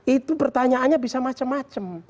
itu pertanyaannya bisa macam macam